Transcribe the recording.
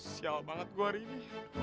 sial banget gue hari ini